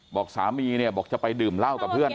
บอกสามีเนี่ยบอกจะไปดื่มเหล้ากับเพื่อน